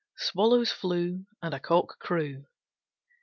Swallows flew, And a cock crew.